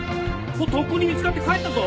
とっくに見つかって帰ったぞ。